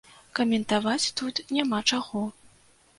Каментаваць тут няма, чаго.